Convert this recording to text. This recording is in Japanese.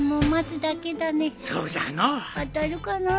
当たるかな？